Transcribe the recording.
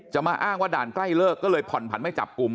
มาอ้างว่าด่านใกล้เลิกก็เลยผ่อนผันไม่จับกลุ่ม